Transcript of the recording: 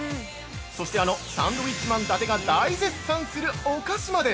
そして、あのサンドウィッチマン伊達が大絶賛するお菓子まで！